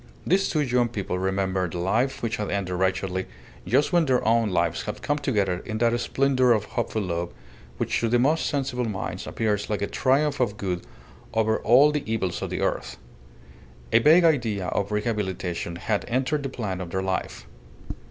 These two young people remembered the life which had ended wretchedly just when their own lives had come together in that splendour of hopeful love, which to the most sensible minds appears like a triumph of good over all the evils of the earth. A vague idea of rehabilitation had entered the plan of their life.